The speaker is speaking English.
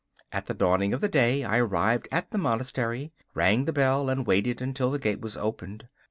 At the dawning of the day I arrived at the monastery, rang the bell and waited until the gate was opened.